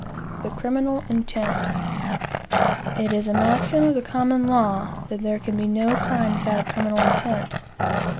THE CRIMINAL INTENT It is a maxim of the common law that there can be no crime without a criminal intent.